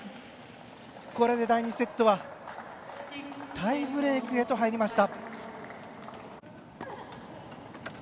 これで第２セットはタイブレークへと入りました。